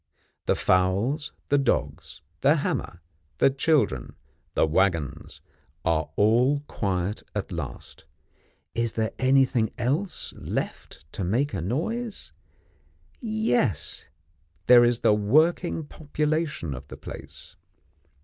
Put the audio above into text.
The fowls, the dogs, the hammer, the children, the waggons, are quiet at last. Is there anything else left to make a noise? Yes: there is the working population of the place.